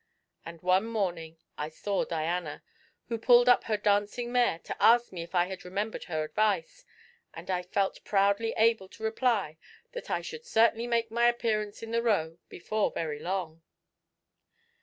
And one morning I saw Diana, who pulled up her dancing mare to ask me if I had remembered her advice, and I felt proudly able to reply that I should certainly make my appearance in the Row before very long.